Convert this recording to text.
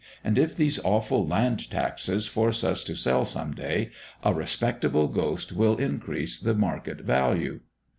And if these awful land taxes force us to sell some day, a respectable ghost will increase the market value."